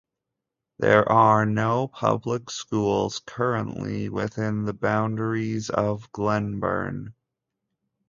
There are no public schools currently within the boundaries of Glenburn.